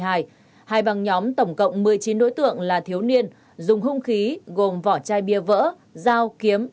hai băng nhóm tổng cộng một mươi chín đối tượng là thiếu niên dùng hung khí gồm vỏ chai bia vỡ dao kiếm